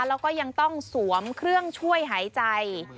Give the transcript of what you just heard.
แล้วก็ยังต้องสวมเครื่องช่วยหายใจ